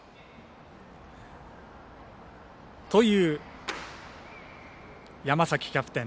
という、山崎キャプテン。